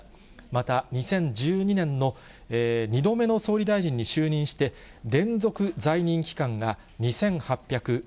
また、２０１２年の２度目の総理大臣に就任して、連続在任期間が２８２２日。